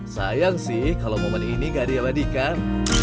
sayang sih kalau momen ini gak ada yang madikan